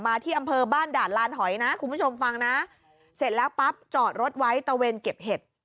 ที่อำเภอบ้านด่านลานหอยนะคุณผู้ชมฟังนะเสร็จแล้วปั๊บจอดรถไว้ตะเวนเก็บเห็ด